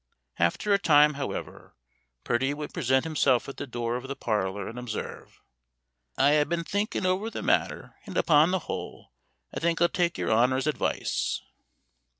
After a time, however, Purdie would present himself at the door of the parlor, and observe, "I ha' been thinking over the matter, and upon the whole, I think I'll take your honor's advice."